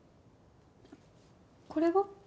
これは？